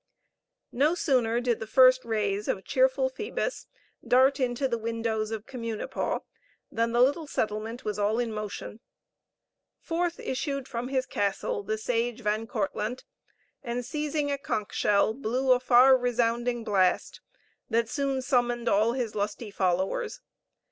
No sooner did the first rays of cheerful Phoebus dart into the windows of Communipaw than the little settlement was all in motion. Forth issued from his castle the sage Van Kortlandt, and seizing a conch shell, blew a far resounding blast, that soon summoned all his lusty followers.